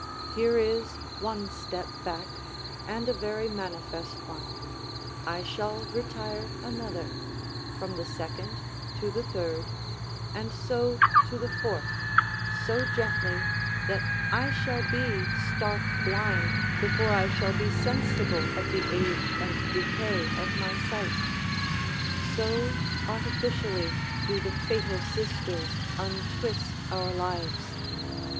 Here is one step back, and a very manifest one; I shall retire another: from the second to the third, and so to the fourth, so gently, that I shall be stark blind before I shall be sensible of the age and decay of my sight: so artificially do the Fatal Sisters untwist our lives.